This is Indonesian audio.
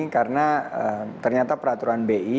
karena ternyata peraturan bi